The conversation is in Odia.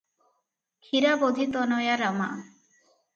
"କ୍ଷୀରାବଧିତନୟା ରମା" ।